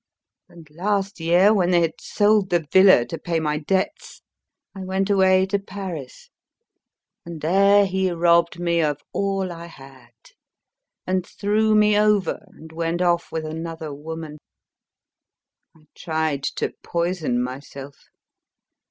And last year, when they had sold the villa to pay my debts, I went away to Paris, and there he robbed me of all I had and threw me over and went off with another woman. I tried to poison myself....